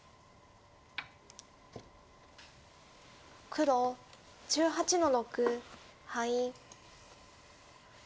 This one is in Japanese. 黒１８の六ハイ。